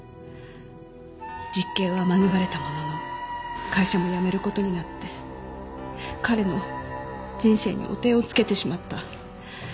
実刑は免れたものの会社も辞める事になって彼の人生に汚点を付けてしまった。